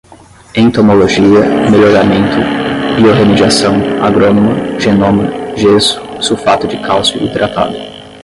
entomologia, melhoramento, biorremediação, agrônoma, genoma, gesso, sulfato de cálcio hidratado